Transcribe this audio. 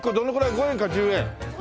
５円か１０円？